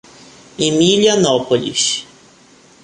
Emilianópolis